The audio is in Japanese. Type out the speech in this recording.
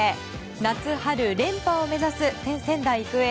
夏春連覇を目指す仙台育英。